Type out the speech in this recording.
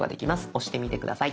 押してみて下さい。